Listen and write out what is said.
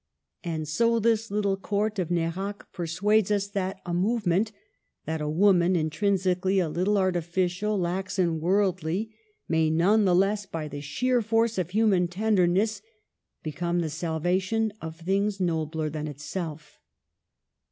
And so this little Court of Nerac persuades us that a movement, — that a woman, intrinsically a little artificial, lax, and worldly, may none the less by the sheer force of human tenderness become the salvation of things nobler than itself.